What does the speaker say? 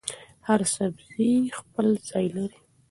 هر سبزي خپل ځای لري.